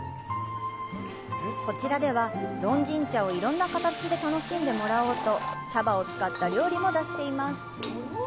こちらでは、龍井茶をいろんな形で楽しんでもらおうと、茶葉を使った料理も出しています。